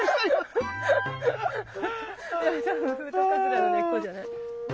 多分フウトウカズラの根っこじゃない？